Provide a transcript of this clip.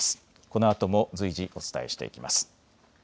このあとも随時、お伝えしていきます。